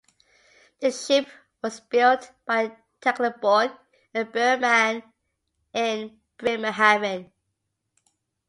The ship was built by Teklenborg and Beurmann in Bremerhaven.